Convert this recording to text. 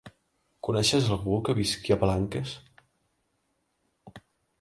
Coneixes algú que visqui a Palanques?